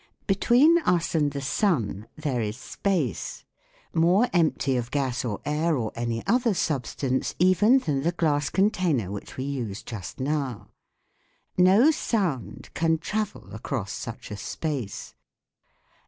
Between us and the sun there is space, more empty of gas or air or any other substance even than the glass container which we used just now. No sound can travel across such a space.